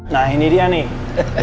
nah ini dia nih